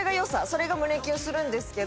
それが胸キュンするんですけど